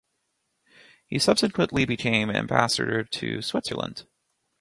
He subsequently became Ambassador to Switzerland.